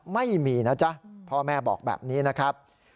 ไม่มีนะจ๊ะพ่อแม่บอกแบบนี้นะครับ